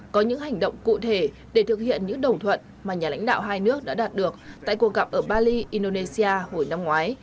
có những hành động cụ thể để thực hiện những đồng thuận mà nhà lãnh đạo hai nước đã đạt được tại cuộc gặp ở bali indonesia hồi năm ngoái